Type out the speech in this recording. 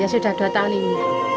ya sudah dua tahun ini